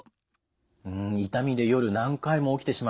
痛みで夜何回も起きてしまう。